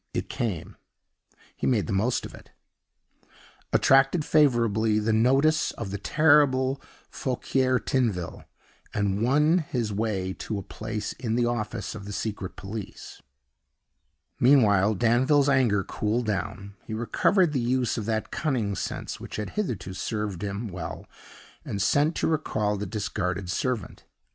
It came; he made the most of it; attracted favorably the notice of the terrible Fouquier Tinville; and won his way to a place in the office of the Secret Police. Meanwhile, Danville's anger cooled down; he recovered the use of that cunning sense which had hitherto served him well, and sent to recall the discarded servant.